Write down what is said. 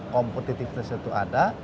kompetitifnya itu ada